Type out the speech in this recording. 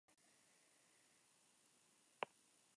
Acaba de renovar contrato por una temporada más con el Milan.